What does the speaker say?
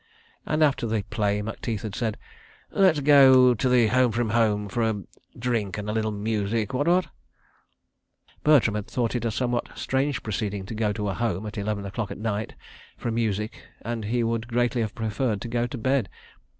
And, after the play, Macteith had said: "Let's go to the Home from Home for a 'drink and a little music—what—what'?" Bertram had thought it a somewhat strange proceeding to go to a Home, at eleven o'clock at night, for music, and he would greatly have preferred to go to bed.